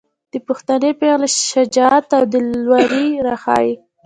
د پښتنې پېغلې شجاعت او دلاوري راښايي.